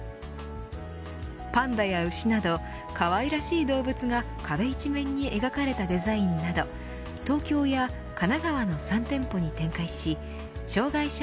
パンダや牛など可愛らしい動物が壁一面に描かれたデザインなど東京や神奈川の３店舗に展開し障がい者